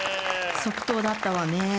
即答だったわね。